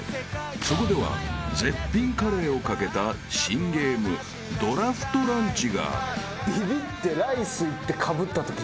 ［そこでは絶品カレーを懸けた新ゲームドラフトランチが］